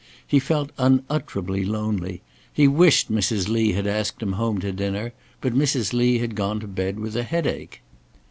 He felt unutterably lonely. He wished Mrs. Lee had asked him home to dinner; but Mrs. Lee had gone to bed with a headache.